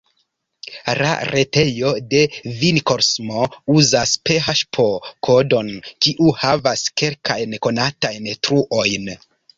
La retejo de Vinilkosmo uzas php-kodon, kiu havas kelkajn konatajn truojn.